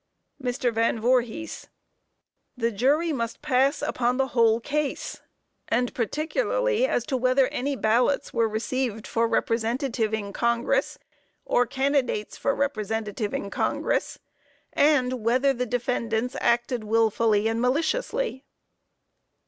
MR. VAN VOORHIS: The jury must pass upon the whole case, and particularly as to whether any ballots were received for representative in Congress, or candidates for representative in Congress, and whether the defendants acted wilfully and maliciously.